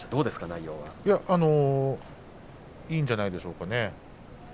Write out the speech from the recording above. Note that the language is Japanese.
内容はどういいんじゃないでしょうかね。